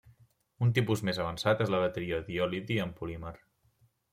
Un tipus més avançat és la bateria d'ió liti en polímer.